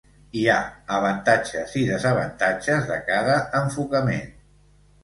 Hi ha avantatges i desavantatges de cada enfocament.